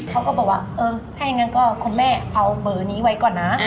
เขาก็บอกว่าเออถ้าอย่างนั้นก็คุณแม่เอาเบอร์นี้ไว้ก่อนนะ